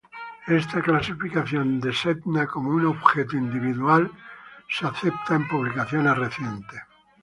Esta clasificación de Sedna como un objeto individual es aceptado en publicaciones recientes.